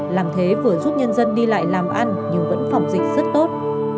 làm thế vừa giúp nhân dân đi lại làm ăn nhưng vẫn phòng dịch rất tốt